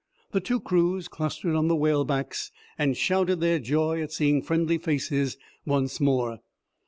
The two crews clustered on the whale backs and shouted their joy at seeing friendly faces once more.